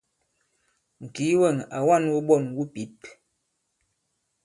Ŋ̀kìi wɛ̂ŋ à wa᷇n wuɓɔn wu pǐp.